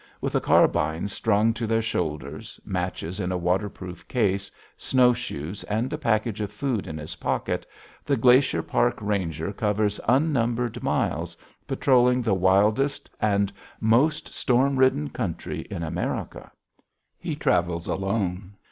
With a carbine strung to his shoulders, matches in a waterproof case, snowshoes and a package of food in his pocket, the Glacier Park ranger covers unnumbered miles, patrolling the wildest and most storm ridden country in America. He travels alone.